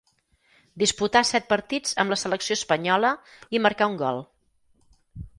Disputà set partits amb la selecció espanyola i marcà un gol.